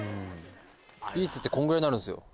ビーツってこんぐらいになるんですよ。